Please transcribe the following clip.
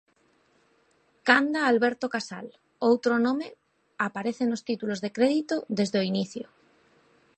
Canda Alberto Casal, outro nome aparece nos títulos de crédito desde o inicio.